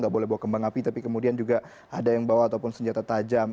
tidak boleh bawa kembang api tapi kemudian juga ada yang bawa ataupun senjata tajam